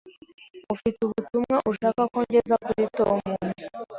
Ufite ubutumwa ushaka ko ngeza kuri Tom?